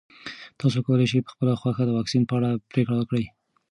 تاسو کولی شئ په خپله خوښه د واکسین په اړه پرېکړه وکړئ.